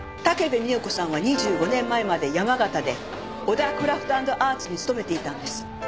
武部美代子さんは２５年前まで山形で小田クラフト＆アーツに勤めていたんです。